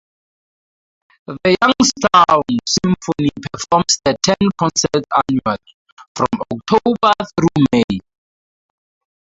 The Youngstown Symphony performs ten concerts annually, from October through May.